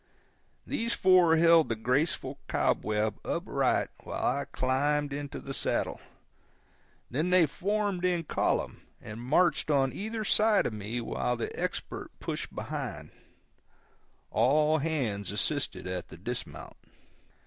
These four held the graceful cobweb upright while I climbed into the saddle; then they formed in column and marched on either side of me while the Expert pushed behind; all hands assisted at the dismount.